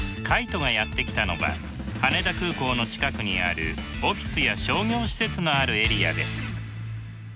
カイトがやって来たのは羽田空港の近くにあるオフィスや商業施設のあるエリアです。